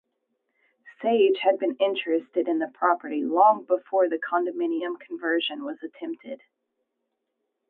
Sage had been interested in the property long before the condominium conversion was attempted.